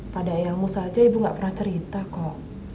pada ayahmu saja ibu gak pernah cerita kok